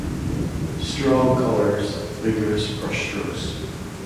Strong colours, vigorous brushstrokes.